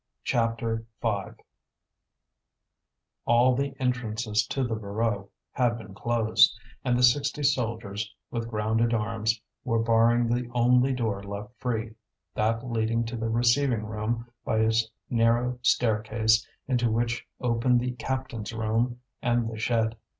CHAPTER V All the entrances to the Voreux had been closed, and the sixty soldiers, with grounded arms, were barring the only door left free, that leading to the receiving room by a narrow staircase into which opened the captains' room and the shed.